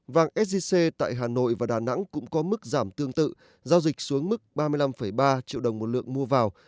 vàng sgc tại hà nội và đà nẵng cũng có mức giảm tương tự giao dịch xuống mức ba mươi năm ba triệu đồng một lượng mua vào